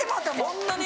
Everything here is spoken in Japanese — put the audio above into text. そんなに？